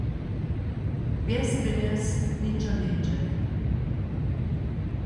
Bjez pjenjez ničo njeńdźe.